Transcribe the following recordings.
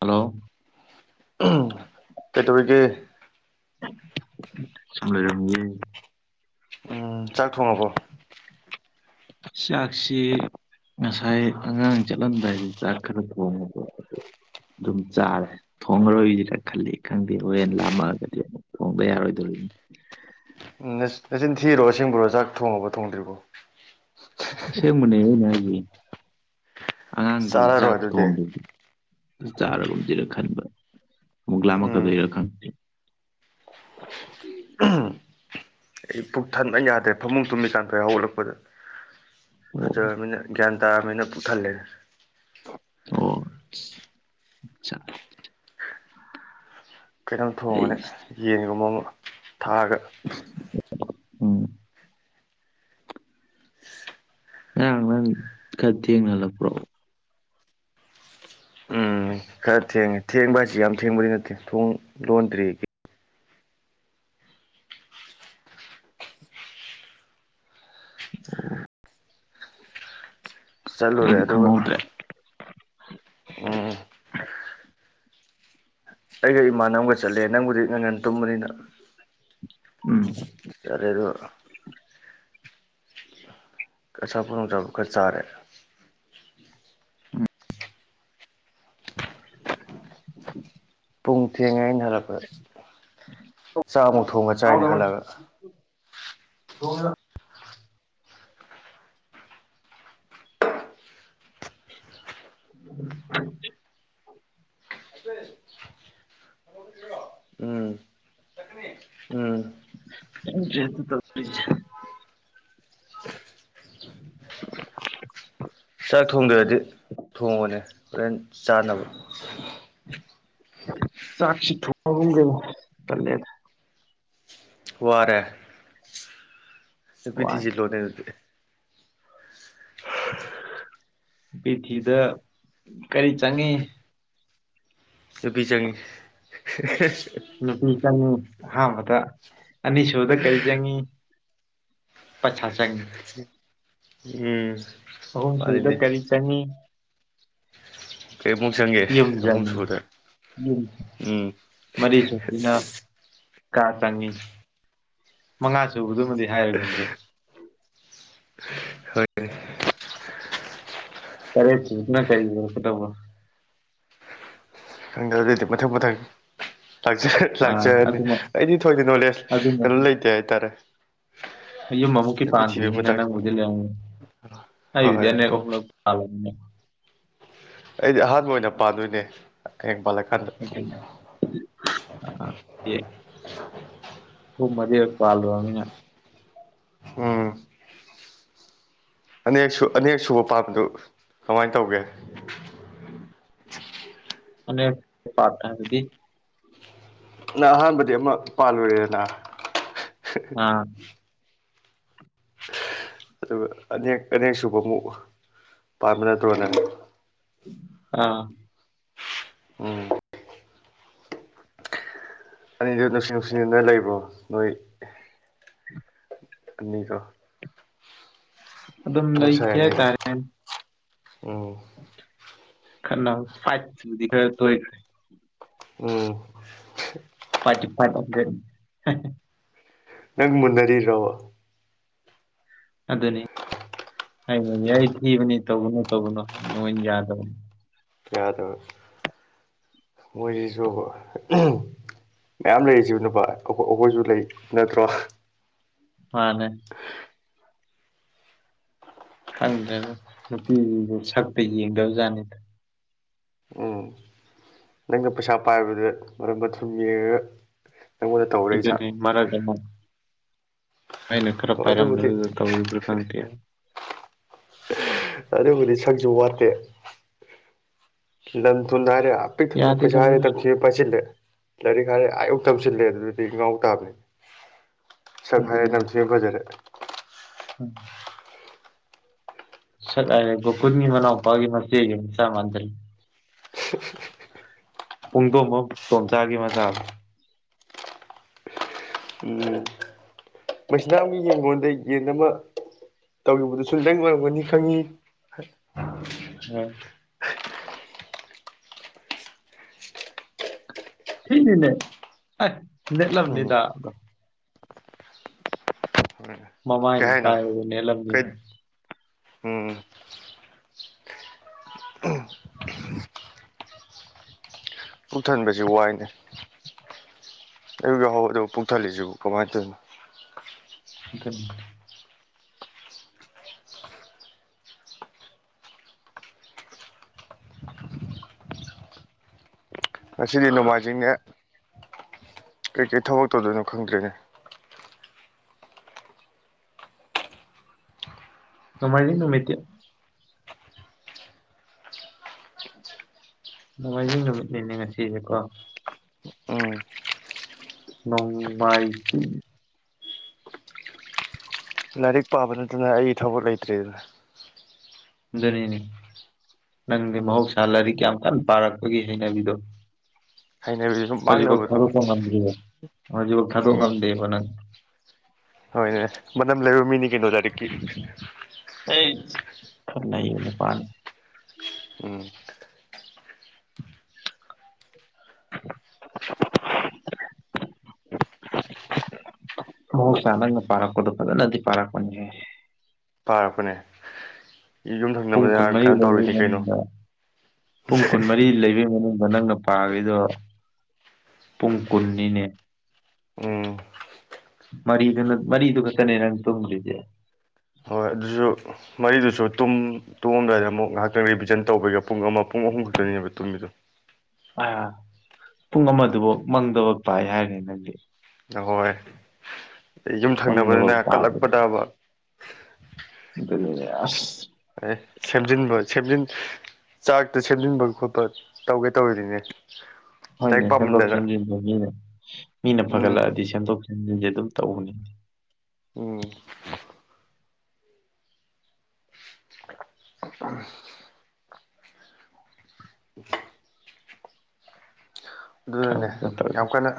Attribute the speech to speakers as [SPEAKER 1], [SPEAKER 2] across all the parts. [SPEAKER 1] hello
[SPEAKER 2] ꯀꯩ ꯇꯔꯤꯒ
[SPEAKER 1] ꯁꯨꯝ ꯂꯔꯝꯃꯤꯌꯦ
[SPEAKER 2] ꯎꯝ ꯆꯥꯛ ꯊꯣꯡꯉꯕꯣ
[SPEAKER 1] ꯆꯥꯛꯁꯤ ꯉꯁꯥꯏ ꯑꯉꯥꯡ ꯆꯠꯂꯝꯗꯥꯏꯗꯤ ꯍꯤꯗꯥꯛ ꯈꯔ ꯊꯣꯡꯕꯗꫭ ꯑꯗꯨ ꯑꯗꯨꯝ ꯆꯥꯔꯦ ꯊꯣꯡꯉꯔꯣꯏꯁꯤ ꯈ ꯈꯜꯂꯤ ꯈꯪꯗꯦ ꯍꯣꯔꯦꯟ ꯂꯥꯝꯃꯑꯒꯗꯤ ꯑꯃꯨꯛ ꯊꯣꯡꯕ ꯌꯥꯔꯣꯏꯗꯣꯔꯤꯅꯤ
[SPEAKER 2] ꯎꯝ ꯅꯆꯤꯟ ꯊꯤꯔꯣ ꯑꯁꯤꯦꯡꯕꯨꯔꯣ ꯆꯥꯛ ꯊꯣꯡꯉꯕꯣ ꯊꯣꯡꯗ꯭ꯔꯤꯕꯣ
[SPEAKER 1] ꯑꯁꯦꯡꯕꯅꯦꯅꯦ ꯍꯥꯏꯁ ꯑꯉꯥꯡꯒꯤ
[SPEAKER 2] ꯆꯥꯔꯔꯣꯏ
[SPEAKER 1] ꯖꯥꯛ
[SPEAKER 2] ꯑꯗꯨꯗꯤ
[SPEAKER 1] ꯊꯣꯡꯗꯨꯗꯤ ꯆꯥꯔꯒꯨꯝꯗꯤꯔ ꯈꯟꯕ ꯑꯃꯨꯛ
[SPEAKER 2] ꯎꯝ
[SPEAKER 1] ꯂꯥꯝꯃꯛꯀꯗꫭꯏꯔ ꯈꯪꯗꯦ
[SPEAKER 2] ꯑꯩ ꯄꯨꯛ ꯊꯟꯕꯅ ꯌꯥꯗ꯭ꯔꯦ ꯐꯃꯨꯡ ꯇꯨꯝꯃꯤ ꯊꯥꯟꯊꫭꯔꯛꯑ ꯍꯧꯒꯠꯂꯛꯄꯗ
[SPEAKER 1] ꯑꯣ
[SPEAKER 2] ꯐꯖꯔꯝꯅꯤꯅ ꯒ꯭ꯌꯥꯟ ꯇꯥꯔꯕ ꯅꯤꯅ ꯊꯜꯂꯦ
[SPEAKER 1] ꯑꯣ
[SPEAKER 2] ꯀꯩꯅꯣꯝ
[SPEAKER 1] ꯑꯩ
[SPEAKER 2] ꯊꯣꯡꯉꯅꯤ ꯌꯦꯟꯒꯨꯝꯕ ꯑꯃ ꯊꯥꯛꯑꯒ
[SPEAKER 1] ꯎ [unintelligible] ꯎꯝ ꯀꯠꯇꯤ ꯅꯂ ꯄꯨ꯭ꯔꯣ [unintelligible]
[SPEAKER 2] ꯎꯝ ꯈꯔ ꯊꯦꯡꯉꯦ ꯊꯦꯡꯕ ꯍꯥꯏꯁꯤ ꯌꯥꯝ ꯊꯦꯡꯕꯗꯤ ꯅꯠꯇꯦ ꯊꯣꯡ ꯂꯣꯟꯗ꯭ꯔꯤ ꯆꯠꯂꯨꯔꯦ
[SPEAKER 1] ꯑꯩꯗꯤ
[SPEAKER 2] ꯑꯗꯨꯒ
[SPEAKER 1] ꯈꯪꯍꯧꯗ꯭ꯔꯦ
[SPEAKER 2] ꯎꯝ ꯑꯩꯒ ꯏꯃꯥꯟꯅꯕ ꯑꯃꯒ ꯆꯠꯂꯦ ꯅꯪꯕꯨꯗꯤ ꯅꯪ ꯉꯟ ꯇꯨꯝꯕꯅꯤꯅ
[SPEAKER 1] ꯎꯝ
[SPEAKER 2] ꯇꯔꯦ ꯑꯗꯨ ꯑꯆꯥꯥꯄꫭꯠ ꯅꯨꯗ꯭ꯔꯕꫭ ꯈꯔ ꯆꯥꯔꯦ ꯄꯨꯡ ꯊꯦꯡꯉꯦ ꯑꯩꯅ ꯍꯜꯂꯛꯄ ꯆꯥꯃꯨꯛ ꯊꯣꯡꯉ ꯆꯥꯏꯅ ꯍꯜꯂꯒ
[SPEAKER 1] ꯇꯨꯡ [unintelligible] [unintelligible]
[SPEAKER 2] [unintelligible] ꯎꯝ ꯎꯝ
[SPEAKER 1] ꯌꯡ ꯇꯔꯦꯗ ꯇꯧꯔꯤꯁꯦ
[SPEAKER 2] ꯆꯥꯛ ꯊꯣꯡꯗ꯭ꯔꯗꯤ ꯊꯣꯡꯉꯅꯦ ꯍꯣꯔꯦꯟ ꯆꯥꯅꯕ
[SPEAKER 1] ꯆꯁꯤꯤ ꯊꯒꯒꯦ ꯇꯂꯦꯗ
[SPEAKER 2] ꯐꯨꯍꯔꯦ
[SPEAKER 1] ꯋꯥꯔꯦ
[SPEAKER 2] ꯄꯤꯊꯤꯁꯤꯖꯤꯂꯣꯅꯦ
[SPEAKER 1] ꯕꯤꯊꯤꯗ ꯀꯔꯤ ꯆꯪꯉꯤ
[SPEAKER 2] ꯅꯨꯄꯤꯆꯪꯑ ꯍꯦ ꯍꯦ
[SPEAKER 1] ꯅꯨꯄꯤ ꯆꯪꯉꯤ ꯑꯍꯥꯟꯕꯗ ꯑꯅꯤꯁꯨꯕꯗ ꯀꯔꯤ ꯆꯪꯉꯤ ꯄꯩꯁ ꯆꯪꯏ
[SPEAKER 2] ꯎꯝ
[SPEAKER 1] ꯑ ꯁꯤꯨꯗ
[SPEAKER 2] ꯃꯥꯅꯤꯅꯦ
[SPEAKER 1] ꯀꯔꯤ ꯆꯅꯤ
[SPEAKER 2] ꯀꯔꯤꯃꯨꯛ ꯆꯪꯒꯦ ꯑꯍꯨꯝ ꯁꯨꯕꯗ
[SPEAKER 1] ꯎꯝ
[SPEAKER 2] ꯎꯝ
[SPEAKER 1] ꯃꯔꯤ ꯆꯨꯝꯕꯤꯅ ꯀꯥ ꯆꯪꯉꯤ ꯃꯉꯥ ꯁꯨꯕꯗꯨꯃꯗꯤ ꯍꯥꯏꯔꯒꯨꯝꯒꯦ
[SPEAKER 2] ꯍꯣꯏ
[SPEAKER 1] ꯄꯥꯏꯔꯛꯇꯔꯤꯗꯨꯅ ꯀ꯭ꯔꯤ ꯑꫭꯏꯔꯛꯀꯗꯧꯕ
[SPEAKER 2] ꯈꯪꯗ ꯑꯗꯨꯗꯤ ꯃꯊꯪ ꯃꯊꯪ ꯂꯥꯛꯆꯦ
[SPEAKER 1] ꯑꯥ
[SPEAKER 2] ꯂꯥꯛꯆꯔꯅꯤ
[SPEAKER 1] ꯑꯗꯨꯃ
[SPEAKER 2] ꯑꯩꯗꯤ ꯊꯣꯏꯗꯤ ꯅꯣꯂꯦꯖ
[SPEAKER 1] ꯑꯗꯨꯃ
[SPEAKER 2] ꯀꯩꯅꯣ ꯂꯩꯇꯦ ꯍꯥꯏꯇꯥꯔꯦ
[SPEAKER 1] ꯌꯨꯝ ꯑꯃꯨꯛꯀꯤ
[SPEAKER 2] ꯅꯨꯄꯤ ꯊꯤꯕꯒꯤ
[SPEAKER 1] ꯄꯥꯟꯗ꯭ꯔꯤꯕꯅꯤꯅ
[SPEAKER 2] ꯃꯇꯥꯡꯁꯤꯃ
[SPEAKER 1] ꯅꯪꯕꯨꯗꯤ ꯂꯩꯉ ꯑꯩꯕꯨꯗꯤ
[SPEAKER 2] ꯍꯣꯏ
[SPEAKER 1] ꯑꯅꯤꯔꯛ ꯑꯍꯨꯝꯂꯛ ꯄꯥꯕꯅꯤꯅ
[SPEAKER 2] ꯑꯩꯗꯤ ꯑꯍꯥꯟꯕ ꯑꯣꯏꯅ ꯄꯥꯟꯗꯣꯏꯅꯦ ꯍꯌꯦꯡ ꯄꯥꯜꯂꯀꯥꯟꯗ
[SPEAKER 1] ꯑꯗꯨ ꯍꯨꯝ ꯃꯔꯤ ꯔꯛ ꯄꯥꯜꯂꯨꯔꯝꯅꯤꯅ
[SPEAKER 2] ꯍꯝ ꯑꯅꯤꯔꯛ ꯁꯨ ꯑꯅꯤꯔꯛ ꯁꯨꯕ ꯄꯥꯝꯕꯗꯨ ꯀꯃꯥꯏꯅ ꯇꯧꯒꯦ
[SPEAKER 1] ꯑ ꯐꯇ ꯇ
[SPEAKER 2] ꯅ ꯑꯍꯥꯟꯕꯗꯤ ꯑꯃ ꯄꯥꯜꯂꯨꯔꯦꯗꯅꯥ
[SPEAKER 1] ꯑꯥ
[SPEAKER 2] ꯑꯗꯨꯒ ꯑꯅꯦꯛ ꯑꯅꯦꯛ ꯁꯨꯕ ꯑꯃꯨꯛ ꯄꯥꯟꯕꯥ ꯅꯠꯇ꯭ꯔꯣ ꯅꯪ
[SPEAKER 1] ꯑꯥ
[SPEAKER 2] ꯎꯝ ꯑꯅꯤꯗꯨ ꯅꯨꯡꯁꯤ ꯅꯨꯡꯁꯤꯅ ꯂꯩꯕ꯭ꯔꯣ ꯅꯣꯏ
[SPEAKER 1] ꯎꯝ
[SPEAKER 2] ꯑꯅꯤꯀꯣ
[SPEAKER 1] ꯑꯗꯨꯝ
[SPEAKER 2] ꯅꫭꯏꯁꯥꯏ
[SPEAKER 1] ꯂꯩꯈꯤ
[SPEAKER 2] ꯑꯅꯤꯗꫭ ꯎꯝ
[SPEAKER 1] ꯈꯅꯥ ꯐꯥꯏꯠ ꯄꯨꯗꯤ ꯈꯔ ꯇꫭꯏꯈꯔꯦ
[SPEAKER 2] ꯎꯝ
[SPEAKER 1] ꯐ
[SPEAKER 2] ꯅꯪ ꯃꯨꯟꯅꯔꯤ꯭ꯔꯣꯕ
[SPEAKER 1] ꯑꯗꯨꯅꯤ ꯑꯩꯅꯅꯦ ꯊꯤꯕꯅꯤ ꯇꯧꯕꯅꯨ ꯇꯧꯕꯅꯨ ꯍꯥꯏꯕꯅꯦ ꯃꫭꯏꯅ ꯌꯥꯗꯕꯅꯤ
[SPEAKER 2] ꯌꯥꯗ ꯃꯣꯏꯁꯤꯁꯨ ꯃꯌꯥꯝ ꯂꯩꯔꯤꯁꯤꯕꯨ ꯅꯨꯄꯥ ꯑꯩꯈꯣꯏꯁꯨ ꯂꯩ ꯅꯠꯇ꯭ꯔꯣ
[SPEAKER 1] ꯃꯥꯅꯦ
[SPEAKER 2] [unintelligible]
[SPEAKER 1] ꯈꯪꯗ꯭ꯔꯒ ꯅꯨꯄꯤꯗꯨ ꯁꯛꯇ ꯌꯦꯡꯗꯕꯖꯥꯠꯅꯤꯗ
[SPEAKER 2] ꯎꯝ ꯅꯪꯅ ꯄꯩꯁꯥ ꯄꯥꯏꯕꯗꯨ ꯃꯔꯛ ꯃꯊꯨꯝ ꯌꯦꯡꯉꯒ ꯅꯪꯉꯣꯟꯗ ꯇꯧꯔꯛꯏ ꯖꯥꯠ
[SPEAKER 1] ꯑꯗꯨꯅꯤ ꯃꯔ ꯑꯩꯅ ꯑꯩꯅ ꯈꯔ
[SPEAKER 2] ꯑꯗꯨꯕꯨꯗꯤ
[SPEAKER 1] ꯄꯥꯏꯔꯝꯕꯗꯨꯗ ꯇꯧꯔꯤꯕ꯭ꯔꯥ ꯈꯪꯇꯦꯕ
[SPEAKER 2] ꯑꯗꯨꯕꯨꯗꯤ ꯁꯛꯁꯨ ꯋꯥꯠꯇꯦ ꯂꯝ ꯊꯨ ꯍꯥꯏꯔꯦ ꯄꯤꯛ ꯊꯟꯅ
[SPEAKER 1] ꯌꯥꯗꯦꯗ
[SPEAKER 2] ꯄꯩꯁꯥ ꯍꯦꯛꯇ
[SPEAKER 1] ꯃꯣꯏꯖꯦ
[SPEAKER 2] ꯇꯝꯊꯤꯒꯩ ꯄꯥꯏꯁꯤꯜꯂꯦ ꯂꯥꯏꯔꯤꯛ ꯍꯥꯏꯔ ꯑꯥ ꯇꯝꯁꯤꯜꯂꯦ ꯑꯗꯨꯗꯤ ꯉꯥꯎ ꯇꯥꯕꯅꯤ ꯁꯛ ꯍꯥꯏꯔ ꯅꯝꯊꯤꯒꯩ ꯐꯖꯔꯦ
[SPEAKER 1] ꯎꯝ ꯁꯠ ꯀꯣꯏꯃꯤ ꯃꯅ ꯄꯒꯤ ꯃꯁꯦ ꯆꯥꯝꯥꯟ꯭ꯔꯔꯤ ꯄꯨꯡꯗꯣꯝꯕꯝ ꯇꯣꯝꯆꯥꯒꯤ ꯃꯆꯥ
[SPEAKER 2] ꯎ ꯃꯁꯤꯗ ꯑꯃ ꯌꯦꯟ ꯂꯣꯟꯗ ꯌꯦꯟ ꯑꯃ ꯇꯧꯈꯤꯕꯗꯨꯁꯨ ꯪ ꯑꯣꯏꯔꯝꯒꯅꯤ ꯈꯪꯉꯤ
[SPEAKER 1] ꯍꯥ ꯊꯤꯅꯦ ꯂꯝ
[SPEAKER 2] ꯎꯝ
[SPEAKER 1] ꯂꯩꯗꯗ
[SPEAKER 2] ꯀꯩ
[SPEAKER 1] ꯃꯃꯥꯏꯅ
[SPEAKER 2] ꯍꯥꯏꯅꯣ
[SPEAKER 1] ꯄꯥꯏ ꯅꯅꯤꯂꯂꯝꯅꯤ
[SPEAKER 2] ꯀꯩ ꯎꯝ ꯄꯨꯨꯡꯛꯊꯟꯕꯁꯤ ꯋꯥꯏꯅꯦ ꯑꯨꯛ ꯌꯥꯍꯧꯕꯗ ꯄꯨꯛꯊꯜꯂꯤꯁꯤ ꯀꯃꯥꯏꯅ ꯇꫭꯏꯅꯣ
[SPEAKER 1] ꯑꯗꯨ [unintelligible]
[SPEAKER 2] ꯉꯁꯤꯗꯤ ꯅꯣꯡꯃꯥꯏꯖꯤꯡꯅꯦ ꯀꯩꯀꯩ ꯊꯕꯛ ꯇꯧꯗꯣꯏꯅꯣ ꯈꯪꯗ꯭ꯔꯤꯅꯦ
[SPEAKER 1] ꯅꫭꯡꯃꯥꯂꯤꯡ ꯅꯨꯃꯤꯠꯇꯤ ꯅꯨꯡꯉꯥꯏꯖꯩ ꯅꯨꯃꯤꯠꯅꯤꯅꯦ ꯉꯁꯤꯁꯦꯀꯣ
[SPEAKER 2] ꯎꯝ
[SPEAKER 1] ꯅꫭꯡ ꯃꯥꯏ ꯖꯤꯡ
[SPEAKER 2] ꯂꯥꯏꯔꯤꯛ ꯄꯥꯕ ꯅꯠꯇꯅ ꯑꯩ ꯊꯕꯛ ꯂꯩꯇ꯭ꯔꯦꯗꯨꯅꯤ
[SPEAKER 1] ꯑꯗꯨꯅꯤꯅꯤ ꯅꯪꯗꯤ
[SPEAKER 2] ꯎꯝ
[SPEAKER 1] ꯃꯍꯧꯁꯥ ꯂꯥꯏꯔꯤꯛ ꯌꯥꯝ ꯀꯟꯅ ꯄꯥꯔꯛꯄꯒꯤ ꯍꯩꯅꯕꯤꯗꯣ
[SPEAKER 2] ꯍꯩꯅꯕꯤꯁꯨ
[SPEAKER 1] ꯍꯧꯖꯤꯛꯐꯧ
[SPEAKER 2] ꯃꯥꯡꯅꯕꯗꯣ
[SPEAKER 1] ꯊꯥꯗꯣꯛꯄ ꯉꯝꯗ꯭ꯦꯔꯤꯕ ꯍꯧꯖꯤꯛꯐꯥꯎ ꯊꯥꯗꯣꯛ
[SPEAKER 2] ꯎꯝ
[SPEAKER 1] ꯉꯝꯗꯦꯕ ꯅꯪ
[SPEAKER 2] ꯍꯣꯏꯅꯦ ꯃꯅꯝ ꯂꯩꯕ ꯃꯤꯅꯤ ꯀꯩꯅꯣ ꯂꯥꯏꯔꯤꯛꯀꯤ
[SPEAKER 1] ꯑꯩ ꯈꯅꯅ ꯄꯅꯤ
[SPEAKER 2] ꯎꯝ
[SPEAKER 1] [unintelligible] ꯍ ꯆꯅꯒ ꯄꯔꯄꯗ ꯅꯗꯤ ꯄꯔꯄꯅꯤꯦ
[SPEAKER 2] ꯄꯥꯔꯛꯄꯅꯦ
[SPEAKER 1] ꯄꯨꯡ ꯀꯨꯟꯃꯔꯤ ꯂꯩꯕꯩ ꯃꯅꯨꯡꯗ ꯄꯨꯡ ꯀꯨꯟꯃꯔꯤ ꯂꯩꯕꯩ ꯃꯅꯨꯡꯗ ꯅꯪꯅ ꯄꯥꯕꯤꯗꯣ ꯄꯨꯡ ꯀꯨꯟꯅꯤꯅꯦ
[SPEAKER 2] ꯎꯝ
[SPEAKER 1] ꯃꯔꯤꯗꯨꯅ ꯃꯔꯤꯗꯨ ꯈꯛꯇꯅꯦ ꯅꯪ ꯇꯨꯝꯈ꯭ꯗꯤꯦ
[SPEAKER 2] ꯍꯣꯏ ꯑꯗꯨꯁꯨ ꯃꯔꯤꯗꯨꯁꯨ ꯇꯨꯝ ꯇꯣꯡꯑꯝꯗꯥꯏꯗ ꯑꯃꯨꯛ ꯉꯥꯏꯍꯥꯛꯇꯪ ꯔꯤꯕꯤꯖꯟ ꯇꯧꯕꯒ ꯄꯨꯡ ꯑꯃ ꯄꯨꯡ ꯑꯍꯨꯝ ꯈꯛꯇꯅꯦꯕ ꯇꯨꯝꯃꯤꯗꯣ
[SPEAKER 1] ꯑ ꯄꯨꯡ ꯑꯃꯗꯨꯐꯥꯎ ꯃꯪꯗꯕ ꯄꯥꯏ ꯍꯥꯏꯔꯦ ꯅꯪꯗꯤ
[SPEAKER 2] ꯑꯍꯣꯏ ꯌꯨꯝ
[SPEAKER 1] ꯃꯪꯗꯐꯥꯎ
[SPEAKER 2] ꯊꯪꯅꯕꯅꯤꯅ
[SPEAKER 1] ꯄꯥꯏ
[SPEAKER 2] ꯀꯠꯂꯛꯄꯗꯕ
[SPEAKER 1] ꯑꯁ
[SPEAKER 2] ꯑꯦ ꯁꯦꯝꯖꯤꯟꯕ ꯁꯦꯝꯖꯤꯟ ꯆꯥꯛꯇ ꯁꯦꯝꯖꯤꯟꯕ ꯈꯣꯠꯄ ꯇꯧꯒꯦ ꯇꯧꯔꯤꯅꯦ
[SPEAKER 1] ꯍꯣꯏꯅꯦ ꯁꯦꯝꯗꯣꯛ ꯁꯦꯝꯖꯤꯟꯁꯦ ꯃꯤꯅ ꯃꯤꯅ
[SPEAKER 2] ꯎꯝ
[SPEAKER 1] ꯐꯒꯠꯂꯛꯑꯗꯤ ꯁꯦꯝꯗꯣꯛ ꯁꯦꯝꯖꯤꯟꯁꯦ ꯑꯗꯨꯝ ꯇꯧꯕꯅꯤ
[SPEAKER 2] ꯎꯝ ꯑ [inaudible] ꯑꯗꯨꯅꯅꯦ
[SPEAKER 1] ꯈꯪꯗꯦꯗ
[SPEAKER 2] ꯌꯥꯝ
[SPEAKER 1] ꯇꯧꯔꯤꯁꯦ
[SPEAKER 2] ꯀꯟꯅ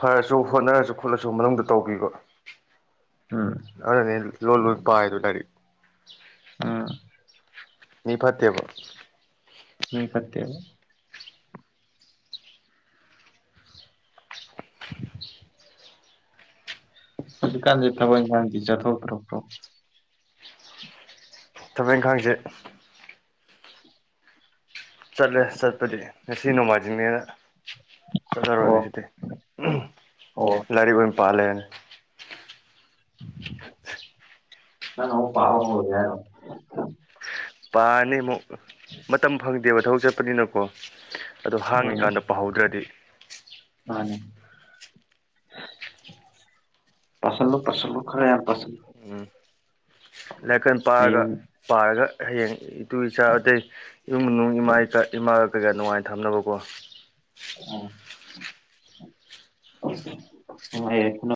[SPEAKER 2] ꯐꯔꯁꯨ ꯍꯣꯠꯅꯔꯁꯨ ꯈꯣꯠꯂꯁꯨ ꯃꯅꯨꯡꯗ ꯇꯧꯈꯤꯕ
[SPEAKER 1] ꯎꯝ
[SPEAKER 2] ꯑ ꯅ ꯂꯣꯜ ꯂ ꯄꯗꯗꯥꯏꯔꯤ
[SPEAKER 1] ꯑ
[SPEAKER 2] ꯅꯤꯡꯄꯥꯠ ꯗꯦꯕ
[SPEAKER 1] ꯌꯦ ꯐꯠꯇ ꯍꯧꯖꯤꯛꯀꯥꯟꯁꯦ ꯊꯕꯛ ꯏꯪꯈꯥꯡꯗꯤ ꯆꯠꯊꯣꯛꯇ꯭ꯔꯄ꯭ꯔꯣ
[SPEAKER 2] ꯊꯕꯛ ꯏꯪꯈꯥꯡꯁꯦ ꯆꯠꯂꯦ ꯆꯠꯄꯗꯤ ꯉꯁꯤ ꯅꯣꯡꯃꯥꯏꯖꯤꯡꯅꯦꯅ ꯆꯠꯅꯔꯣꯏꯅꯦ
[SPEAKER 1] ꯑꯣ
[SPEAKER 2] ꯁꯤꯗꯤ
[SPEAKER 1] ꯑꯣ
[SPEAKER 2] ꯂꯥꯏꯔꯤꯛ ꯑꯣꯏꯅ ꯄꯥꯜꯂꯦꯅ
[SPEAKER 1] ꯑ ꯄꯥꯔ ꯍꯧꯗꯦ
[SPEAKER 2] ꯄꯥꯅꯤ ꯑꯃꯨꯛ ꯃꯇꯝ ꯐꯪꯗꯦꯕ ꯊꯕꯛ ꯆꯠꯄꯅꯤꯅꯀꯣ ꯑꯗꯣ ꯍꯥꯡꯉꯤꯀꯥꯟꯗ ꯄꯍꯧꯗ꯭ꯔꯗꯤ
[SPEAKER 1] ꯑꯅꯦ ꯄꯁꯜꯂ ꯄꯁꯜ ꯂ ꯈꯔꯦ ꯌꯥ ꯄꯁꯜ
[SPEAKER 2] ꯂꯥꯏꯀꯟ ꯄꯥꯔꯒ
[SPEAKER 1] ꯍꯌꯦꯡ
[SPEAKER 2] ꯄꯥꯔꯒ ꯍꯌꯦꯡ ꯇꯨ ꯏꯆꯥ ꯑꯗꯇꯩ ꯏꯃꯨꯡ ꯃꯅꯨꯡ ꯏꯃꯥ ꯏꯃꯥꯒ ꯀꯩꯀ ꯅꯨꯡꯉꯥꯏꯅ ꯊꯝꯅꯕꯀꯣ
[SPEAKER 1] ꯑ ꯅ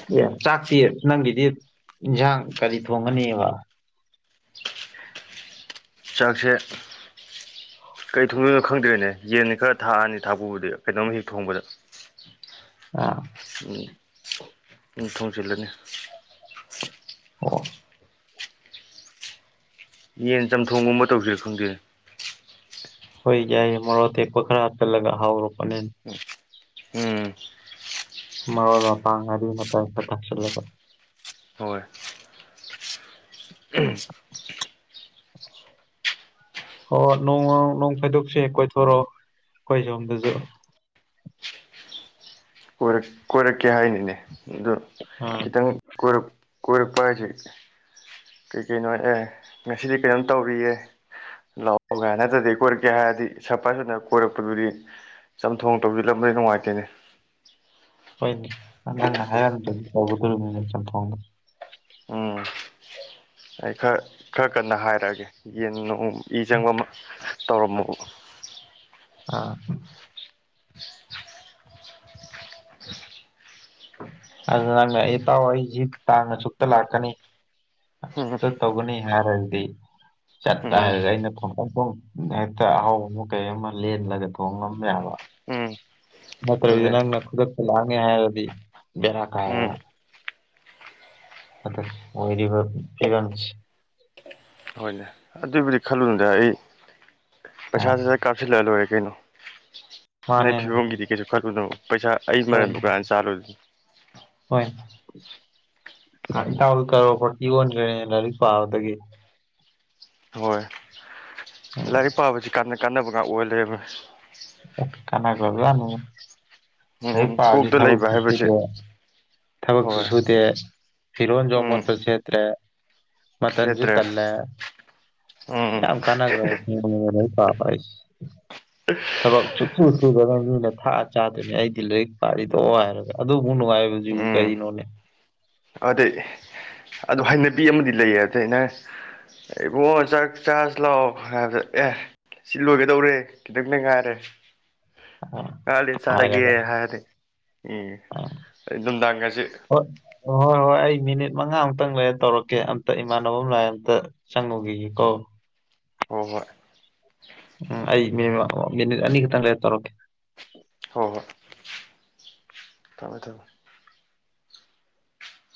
[SPEAKER 1] ꯆꯥꯛ ꯆꯥꯛꯇꯦ ꯅꯪꯒꯤꯗꯤ ꯏꯟꯁꯥꯡ ꯀꯔꯤ ꯊꯣꯡꯒꯅꯦꯕ
[SPEAKER 2] ꯆꯥꯛꯁꯦ ꯀꯩ ꯊꯣꯡꯗꯣꯏꯅꯣ ꯈꯪꯗ꯭ꯔꯦꯅꯦ ꯌꯦꯟꯅꯤ ꯈꯔ ꯊꯥꯛꯑꯅꯤ ꯊꯥꯛꯄꯨꯕꯨꯗꯤ ꯀꯩꯅꯣꯝꯃ ꯍꯦꯛ ꯊꯣꯡꯕꯗ
[SPEAKER 1] ꯑ
[SPEAKER 2] ꯎꯝ ꯎꯝ ꯊꯣꯡꯁꯤꯜꯂꯅꯤ
[SPEAKER 1] ꯑꯣ
[SPEAKER 2] ꯌꯦꯟ ꯆꯝꯊꯣꯡꯒꯨꯝꯕ ꯇꯧꯁꯤꯔꯣ ꯈꯪꯗꯦ
[SPEAKER 1] ꯍ ꯌꯥꯏ ꯃꯔꯗꯤ ꯄꯈꯔ ꯍꯥ ꯆꯂꯒ ꯍꯥꯎꯔꯣꯄꯅꯦ
[SPEAKER 2] ꯎ ꯎꯝ
[SPEAKER 1] ꯃ ꯄꯄ ꯉꯔꯤ ꯃ ꯊꯁꯤꯔꯂ
[SPEAKER 2] ꯍꯣꯏ
[SPEAKER 1] ꯍ ꯅꯣꯡ ꯅꯣꯡ ꯐꯥꯏꯗꯣꯛꯁ ꯀꯣꯏꯊꯣꯔꯛꯑꯣ ꯑꯩꯈꯣꯏ ꯁꯣꯝꯗꯁꯨ
[SPEAKER 2] ꯀꯣꯏꯔꯛ ꯀꯣꯏꯔꯛꯀꯦ ꯍꯥꯏꯅꯤꯅꯦ ꯑꯗꯨ
[SPEAKER 1] ꯑꯥ
[SPEAKER 2] ꯈꯤꯇꯪ ꯀꯣꯏꯔꯛꯄ ꯍꯥꯏꯁꯤ ꯀꯩ ꯀꯩꯅꯣ ꯑꯦ ꯉꯁꯤꯗꯤ ꯀꯩꯅꯣꯝ ꯇꯧꯔꯤꯌꯦ ꯂꯥꯛꯑꯣꯒ ꯅꯠꯇꯗꯗꯤ ꯀꯣꯏꯔꯛꯀꯦ ꯍꯥꯏꯔꯗꯤ ꯁꯄ ꯁꯨꯅ ꯀꯣꯏꯔꯛꯄꯗꯨꯗꯤ ꯆꯝꯊꯣꯡ ꯇꯧꯕꯤꯜꯂꯝꯕꯩ ꯅꯨꯡꯉꯥꯏꯇꯣꯏꯅꯦ
[SPEAKER 1] ꯍꯣꯏꯅꯦ ꯅꯪꯅ ꯍꯥꯏꯔꯝꯕꯗꯤ ꯇꯧꯒꯗꯣꯔꯤꯕꯅꯤꯅ ꯐꯥꯎꯅ
[SPEAKER 2] ꯎꯝ ꯑꯩ ꯈꯔ ꯈꯔ ꯀꯟꯅ ꯍꯥꯏꯔꯛꯑꯒꯦ ꯌꯦꯟ ꯅꯣꯡ ꯏ ꯆꯪꯕ ꯑꯃ ꯇꯧꯔꯝꯃꯨ
[SPEAKER 1] ꯑꯥ ꯑꯗꯨ ꯅꯪꯅ ꯏꯇꯥꯎ ꯑꯩ ꯖꯤꯠ ꯇꯥꯡꯅ ꯆꯨꯞꯛꯇ ꯂꯥꯛꯀꯅꯤ
[SPEAKER 2] ꯎꯝ
[SPEAKER 1] ꯑꯁꯛꯇ ꯇꯧꯒꯅꯤ ꯍꯥꯏꯔꯒꯗꯤ
[SPEAKER 2] ꯎꯝ
[SPEAKER 1] ꯆꯠꯇꯥꯔꯒ ꯑꯩꯅ ꯐ ꯍꯦꯛꯇ ꯑꯍꯥꯎꯕ ꯑꯃ ꯀꯩ ꯑꯃ ꯂꯦꯟꯂꯒ ꯊꯣꯡ ꯉꯝ ꯌꯥꯕ
[SPEAKER 2] ꯎꯝ
[SPEAKER 1] ꯃꯥꯠꯇ꯭ꯔ
[SPEAKER 2] ꯑꯗꯨꯅꯦ
[SPEAKER 1] ꯅꯅ ꯀꯗꯛ ꯂꯉ ꯍꯥꯏꯗꯤ ꯦꯔ ꯀ ꯍꯥꯏ
[SPEAKER 2] ꯎꯝ
[SPEAKER 1] ꯑ ꯑꯣꯏꯗꯤꯚ ꯐꯤꯔꯅꯤꯁꯤ
[SPEAKER 2] ꯍꯣꯏꯅꯦ ꯑꯗꯨꯏꯕꯨꯗꯤ ꯈꯜꯂꯨꯅꯗ ꯑꯩ
[SPEAKER 1] ꯑꯥ
[SPEAKER 2] ꯄꯩꯁꯥꯁꯤ ꯀꯥꯞꯁꯤꯜꯂꯛꯂ ꯂꯣꯏꯔꯦ ꯀꯩꯅꯣ ꯅꯪ
[SPEAKER 1] ꯃꯥꯅꯦ
[SPEAKER 2] ꯐꯤꯕꯝꯒꯤꯗꯤ ꯀꯩꯁꯨ ꯈꯠꯂꯨꯗꯕꯣ ꯄꯩꯁꯥ ꯑꯩ ꯃꯔ
[SPEAKER 1] ꯍꯣꯏꯅꯦ
[SPEAKER 2] ꯗꯨꯀꯥꯟ ꯆꯥꯂꯨ
[SPEAKER 1] ꯍꯣꯏꯅꯦ ꯏꯇꯥꯎꯗꯨ ꯇꯧꯔꯣꯠ ꯏ ꯌꯣꯟꯗ꯭ꯔꯦꯅꯦ ꯂꯥꯏꯔꯤꯛ ꯄꯥꯕꯗꯒꯤ
[SPEAKER 2] ꯍꯣꯏ
[SPEAKER 1] ꯎꯝ
[SPEAKER 2] ꯂꯥꯏꯔꯤꯛ ꯄꯥꯕꯁꯤ ꯀ ꯀꯥꯟꯅꯕꯒ ꯑꯣꯏ ꯂꯩꯣꯏ
[SPEAKER 1] ꯀꯅꯥ ꯀꯅꯤ ꯍ
[SPEAKER 2] ꯎꯝ
[SPEAKER 1] ꯄꯥꯗꯤ
[SPEAKER 2] ꯀꯣꯛꯇ ꯂꯩꯕ
[SPEAKER 1] ꯊꯕꯣꯗ
[SPEAKER 2] ꯍꯥꯏꯕꯁꯦ
[SPEAKER 1] ꯊꯕꯛꯁꯨ
[SPEAKER 2] ꯍꯣꯏ
[SPEAKER 1] ꯁꯨꯗꯦ ꯐꯤꯔꯣꯟꯁꯨ
[SPEAKER 2] ꯎꯝ
[SPEAKER 1] ꯃꯣꯠꯄ ꯁꯦꯠꯇ꯭ꯔꯦ ꯃꯇꯝꯟꯁꯨ
[SPEAKER 2] ꯁꯦꯠꯇ꯭ꯔꯦ
[SPEAKER 1] ꯇꯂꯦ
[SPEAKER 2] ꯎꯝ
[SPEAKER 1] ꯌꯥꯝ ꯀꯅꯒ꯭ꯔꯣ
[SPEAKER 2] ꯎ
[SPEAKER 1] ꯊꯕꯛ ꯆꯨꯁꯨꯨ ꯁꯨꯗꯅ ꯃꯤꯅ ꯊꯥꯛꯑ ꯆꯥꯗꯣꯏꯅꯤ ꯑꯩꯗꯤ ꯂꯥꯏꯔꯤꯛ ꯄꯥꯔꯤꯗꯣ ꯍꯥꯏꯔꯒ ꯑꯗꯨꯕꯨ ꯅꯨꯡꯉꯥꯏꯕꯁꯨ
[SPEAKER 2] ꯎꯝ
[SPEAKER 1] ꯅꯣꯦ
[SPEAKER 2] ꯑꯗꯩ ꯑꯗꯨ ꯍꯩꯅꯕꯤ ꯑꯃꯗꯤ ꯂꯩꯌꯦ ꯑꯗꯩ ꯑꯩꯅ ꯑꯩꯕꯣ ꯆꯥꯛ ꯆꯥꯔꯖ ꯂꯥꯛꯑꯣ ꯍꯥꯏꯕꯗ ꯑꯦ ꯁꯤ ꯂꯣꯏꯒꯗꯧꯔꯦ ꯈꯤꯇꯪꯅꯦ ꯉꯥꯏꯔꯦ ꯀꯗꯤ ꯆꯥꯔꯒꯦ
[SPEAKER 1] ꯍꯥꯏꯔꯒ
[SPEAKER 2] ꯍꯥꯏꯅꯤꯦ ꯎꯝ ꯅꯨꯡꯗꯥꯡꯒꯁꯦ
[SPEAKER 1] ꯍꯣꯏ ꯍꯣꯏ ꯍꯣꯏ ꯑꯩ ꯃꯤꯅꯤꯠ ꯃꯉꯥꯃꯨꯛꯇꯪ ꯂꯩꯔ ꯇꯧꯔꯛꯀꯦ ꯑꯝꯇ ꯏꯃꯥꯟꯅꯕ ꯑꯃ ꯂꯥꯛ ꯑꯝꯇ ꯁꯪꯉꯣꯒꯤꯦ ꯀꯣ
[SPEAKER 2] ꯍꯣꯏ ꯍꯣꯏ
[SPEAKER 1] ꯎꯝ ꯑꯩ ꯃꯤꯅꯤꯃ ꯃꯤꯅꯤꯠ ꯑꯅꯤ ꯈꯛꯇꯪ ꯂꯩ ꯇꯧꯔꯛꯀꯦ
[SPEAKER 2] ꯍꯣꯏ ꯍꯣꯏ ꯊꯝꯃꯦ ꯊꯝꯃꯦ